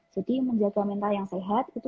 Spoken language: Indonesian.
jadi menjaga mental yang sehat itu